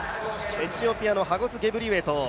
エチオピアのハゴス・ゲブリウェト。